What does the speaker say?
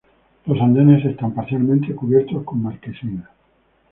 Los andenes están parcialmente cubiertos con marquesinas.